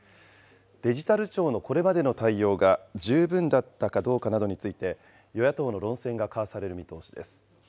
デジタル庁のこれまでの対応が十分だったかどうかなどについて、与野党の論戦が交わされる見通し